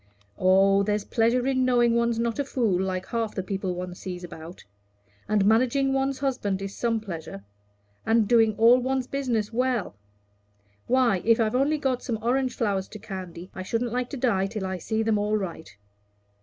"Oh, there's pleasure in knowing one's not a fool, like half the people one sees about. And managing one's husband is some pleasure; and doing all one's business well. Why, if I've only got some orange flowers to candy, I shouldn't like to die till I see them all right.